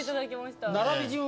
並び順を。